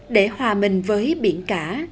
để hòa mình với biển cả